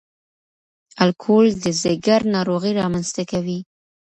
الکول د ځګر ناروغۍ رامنځ ته کوي.